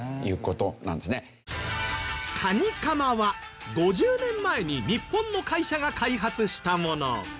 カニカマは５０年前に日本の会社が開発したもの。